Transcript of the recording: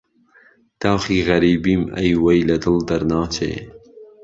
داخی غهریبیم ئهی وهی له دڵ دهرناچێ